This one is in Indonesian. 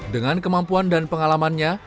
dengan kemampuan dan pengalamannya